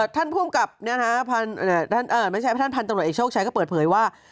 ท่านตำรวจเอกโชคชัยก็เปิดเผยว่า